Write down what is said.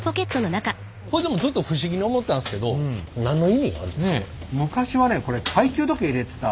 これずっと不思議に思ってたんですけど何の意味があるんですか？